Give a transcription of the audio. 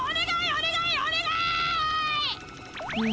お願いっ！